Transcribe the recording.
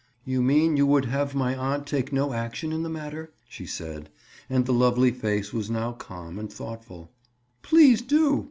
"You mean you would have my aunt take no action in the matter?" she said, and the lovely face was now calm and thoughtful. "Please do!"